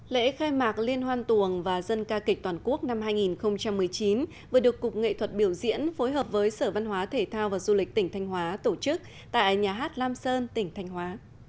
lễ khai mạc liên hoan tuồng và dân ca kịch toàn quốc năm hai nghìn một mươi chín vừa được cục nghệ thuật biểu diễn phối hợp với sở văn hóa thể thao và du lịch tỉnh thanh hóa tổ chức tại nhà hát lam sơn tỉnh thanh hóa